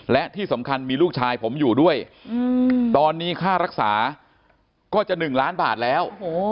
และที่สำคัญมีลูกชายผมอยู่ด้วยตอนนี้ค่ารักษาก็จะ๑ล้านบาทแล้ว